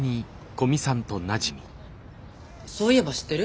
そういえば知ってる？